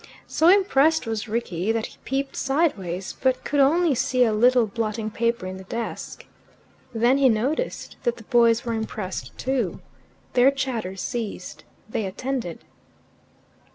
So impressed was Rickie that he peeped sideways, but could only see a little blotting paper in the desk. Then he noticed that the boys were impressed too. Their chatter ceased. They attended.